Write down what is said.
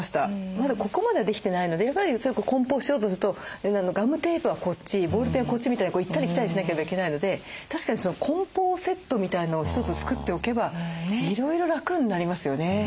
まだここまではできてないのでやっぱり梱包しようとするとガムテープはこっちボールペンはこっちみたいにこう行ったり来たりしなければいけないので確かに梱包セットみたいのを一つ作っておけばいろいろ楽になりますよね。